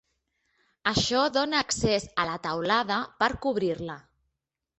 Això dóna accés a la teulada per cobrir-la.